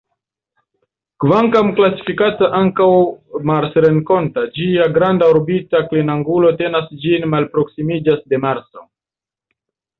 Kvankam klasifikata ankaŭ marsrenkonta, ĝia granda orbita klinangulo tenas ĝin malproksimiĝas de Marso.